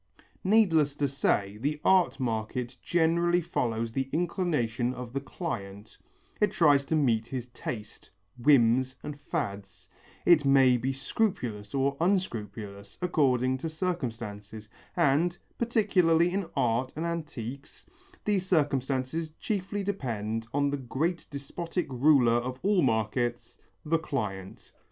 Needless to say, the art market generally follows the inclination of the client, it tries to meet his taste, whims and fads, it may be scrupulous or unscrupulous according to circumstances and, particularly in art and antiques, these circumstances chiefly depend upon the great despotic ruler of all markets, the client.